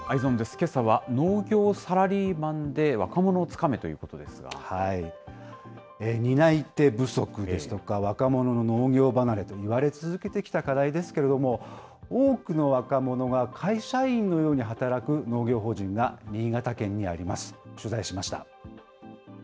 けさは農業サラリーマンで若者を担い手不足ですとか、若者の農業離れといわれ続けてきた課題ですけれども、多くの若者が会社員のように働く農業法人が新潟県にあります。